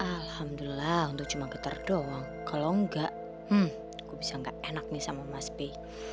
alhamdulillah untuk cuma getar doang kalau enggak hmm gue bisa gak enak nih sama mas pi